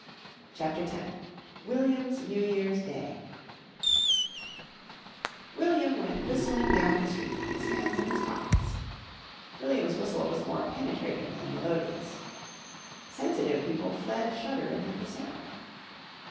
CHAPTER X WILLIAM'S NEW YEAR'S DAY William went whistling down the street, his hands in his pockets. William's whistle was more penetrating than melodious. Sensitive people fled shuddering at the sound.